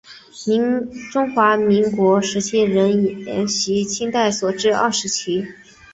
中华民国时期仍沿袭清代所置二十旗。